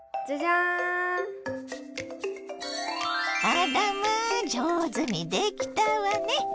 あらまあ上手にできたわね。